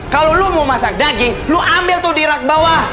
kalau lo mau masak daging lo ambil tuh di rak bawah